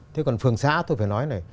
thế còn phường xã tôi phải nói này